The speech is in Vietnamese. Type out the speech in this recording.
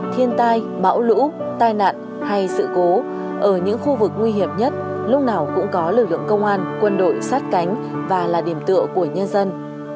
thiên tai bão lũ tai nạn hay sự cố ở những khu vực nguy hiểm nhất lúc nào cũng có lực lượng công an quân đội sát cánh và là điểm tựa của nhân dân